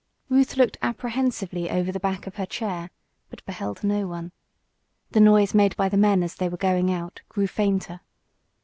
Ruth looked apprehensively over the back of her chair, but beheld no one. The noise made by the men as they were going out grew fainter.